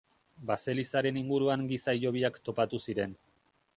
Baselizaren inguruan giza hilobiak topatu ziren.